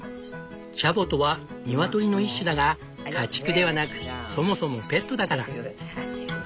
チャボとはニワトリの一種だが家畜ではなくそもそもペットだから。